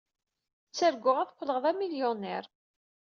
Ttarguɣ ad qqleɣ d amilyuniṛ.